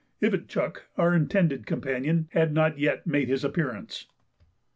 Ivitchuk, our intended companion, had not yet made his appearance.